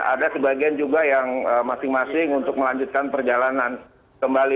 ada sebagian juga yang masing masing untuk melanjutkan perjalanan kembali